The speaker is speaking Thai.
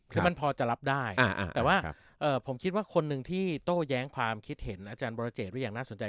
คือมันพอจะรับได้แต่ว่าผมคิดว่าคนหนึ่งที่โต้แย้งความคิดเห็นอาจารย์บรเจตไว้อย่างน่าสนใจ